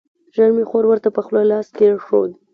ژر مې خور ورته پر خوله لاس کېښود.